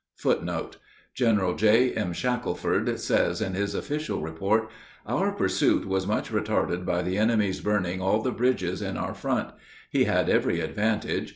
[Footnote 7: General J.M. Shackelford says in his official report: "Our pursuit was much retarded by the enemy's burning all the bridges in our front. He had every advantage.